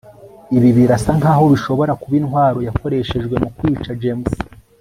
ibi birasa nkaho bishobora kuba intwaro yakoreshejwe mu kwica james